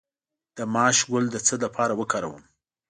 د ماش ګل د څه لپاره وکاروم؟